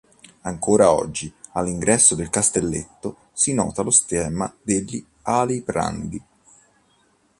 Ancora oggi, all'ingresso del Castelletto, si nota lo stemma degli Aliprandi.